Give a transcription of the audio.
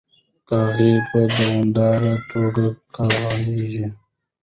کاغۍ په دوامداره توګه کغیږي.